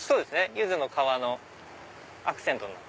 ユズの皮のアクセント。